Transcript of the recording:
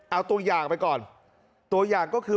เอาตัวอย่างไปก่อนตัวอย่างก็คือ